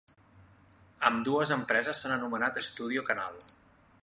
Ambdues empreses s'han anomenat StudioCanal.